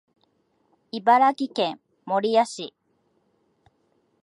茨城県守谷市